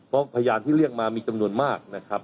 เพราะพยานที่เรียกมามีจำนวนมากนะครับ